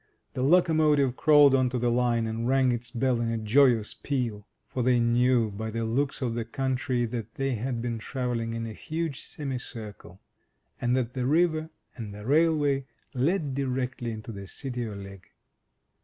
The locomotive crawled on to the line, and rang its bell in a joyous peal. For they knew by the looks of the country that they had been travelling in a huge semi circle, and that the river and the railway led directly into the City o' Ligg.